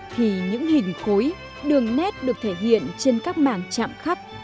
thì những hình khối đường nét được thể hiện trên các mảng chạm khắp